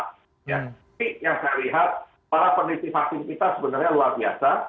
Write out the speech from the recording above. tapi yang saya lihat para peneliti vaksin kita sebenarnya luar biasa